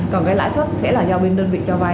còn cái lãi suất sẽ là do bên đơn vị cho vay